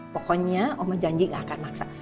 pokoknya oma janji gak akan maksa